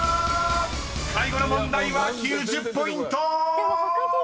［最後の問題は９０ポイント！］